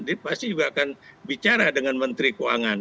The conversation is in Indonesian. dia pasti juga akan bicara dengan menteri keuangan